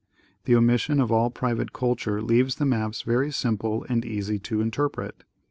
The omis sion of all private culture leaves the maps very simple and easy to interpret.